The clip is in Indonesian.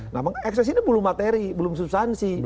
nah ekses ini belum materi belum substansi